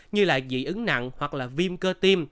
như là dị ứng nặng hoặc là viêm cơ tim